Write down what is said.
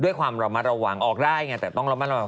ด้วยความระวังออกได้ไงแต่ต้องระวัง